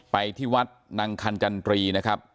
ไปที่วัดนางคันจันตรีนะครับ